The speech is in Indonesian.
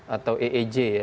atau eej ya